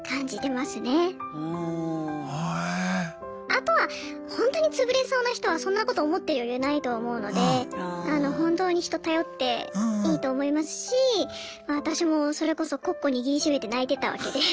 あとはほんとに潰れそうな人はそんなこと思ってる余裕ないと思うので本当に人頼っていいと思いますし私もそれこそＣｏｃｃｏ握りしめて泣いてたわけで。